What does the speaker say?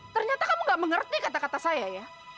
ternyata kamu gak mengerti kata kata saya ya